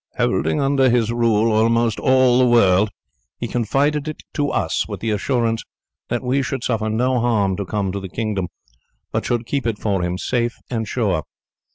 Holding under his rule almost all the world, he confided it to us, with the assurance that we should suffer no harm to come to the kingdom, but should keep it for him safe and sure.